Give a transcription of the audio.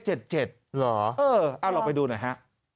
เหรอเออเอาลองไปดูหน่อยฮะ